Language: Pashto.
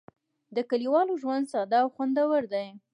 د کلیوالو ژوند ساده او خوندور دی.